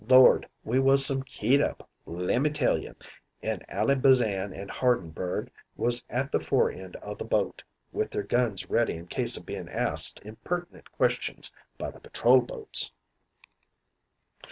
Lord, we was some keyed up, lemmee tell you, an' Ally Bazan and Hardenberg was at the fore end o' the boat with their guns ready in case o' bein' asked impert'nent questions by the patrol boats.